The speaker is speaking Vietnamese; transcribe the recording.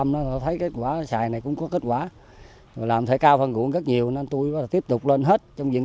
cũng như thực hiện tốt các nội dung học tập và làm theo tư tưởng đạo đức phong cách hồ chí minh